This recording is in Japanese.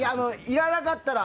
いらなかったら。